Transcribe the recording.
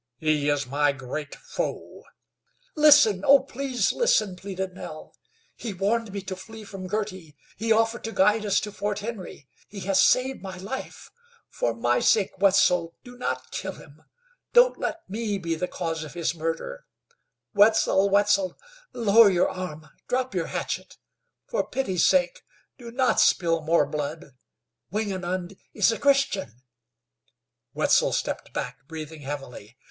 "He is my great foe!" "Listen, oh! please listen!" pleaded Nell. "He warned me to flee from Girty; he offered to guide us to Fort Henry. He has saved my life. For my sake, Wetzel, do not kill him! Don't let me be the cause of his murder! Wetzel, Wetzel, lower your arm, drop your hatchet. For pity's sake do not spill more blood. Wingenund is a Christian!" Wetzel stepped back breathing heavily.